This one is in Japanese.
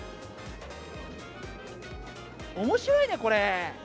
おもしろいね、これ。